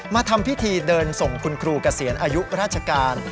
มาทำพิธีเดินส่งคุณครูเกษียณอายุราชการ